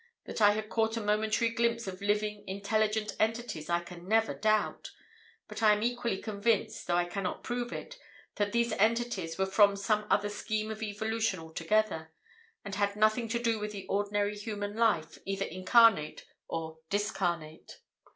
That I had caught a momentary glimpse of living, intelligent entities I can never doubt, but I am equally convinced, though I cannot prove it, that these entities were from some other scheme of evolution altogether, and had nothing to do with the ordinary human life, either incarnate or discarnate.